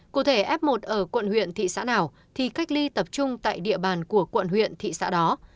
cụ thể f một ở quận huyện thị xã nào thì cách ly tập trung tại địa bàn của quận huyện thị xã đó